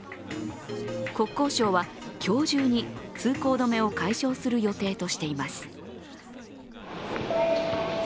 国交省は今日中に通行止めを解消する予定としています。